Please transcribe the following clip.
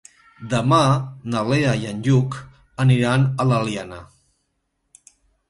Demà na Lea i en Lluc iran a l'Eliana.